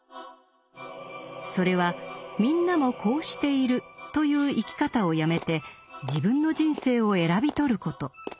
それは「みんなもこうしている」という生き方をやめて自分の人生を選び取ること。